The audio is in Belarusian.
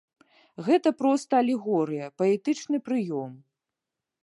Гэта проста алегорыя, паэтычны прыём.